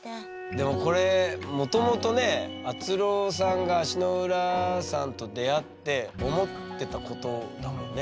でもこれもともとねあつろーさんが足の裏さんと出会って思ってたことだもんね。